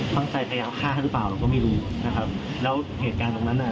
ตั้งใจพยายามฆ่าให้หรือเปล่าเราก็ไม่รู้นะครับแล้วเหตุการณ์ตรงนั้นน่ะ